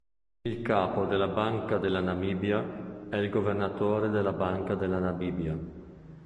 Il capo della Banca della Namibia è il Governatore della Banca della Namibia.